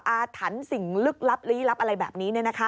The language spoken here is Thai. อาถรรพ์สิ่งลึกลับลี้ลับอะไรแบบนี้